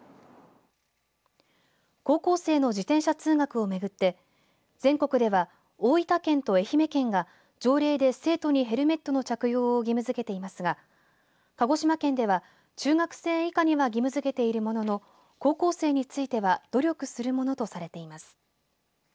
高校生の自転車通学をめぐって全国では大分県と愛媛県が条例で、生徒にヘルメットの着用を義務づけていますが鹿児島県では中学生以下には義務づけているものの高校生については努力するものとされています。